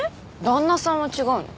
旦那さんは違うの？